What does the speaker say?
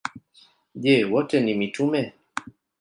Je, wote ni mitume?